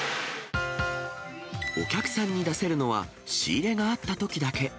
お客さんに出せるのは、仕入れがあったときだけ。